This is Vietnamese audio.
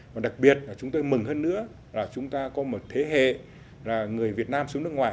và đặc biệt là chúng tôi mừng hơn nữa là chúng ta có một thế hệ là người việt nam xuống nước ngoài